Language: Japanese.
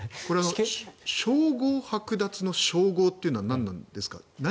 称号はく奪の称号というのは何なんですか？